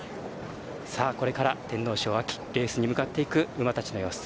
これから天皇賞レースに向かっていく馬たちの様子